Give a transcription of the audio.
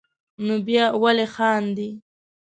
نو بیا ولې خاندې.